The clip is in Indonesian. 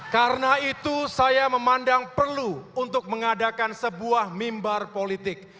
karena itu saya memandang perlu untuk mengadakan sebuah mimbar politik